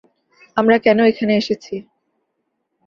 আমরা কেন এখানে এসেছি?